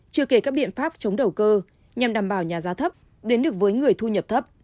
chưa kể các biện pháp chống đầu cơ nhằm đảm bảo nhà giá thấp đến được với người thu nhập thấp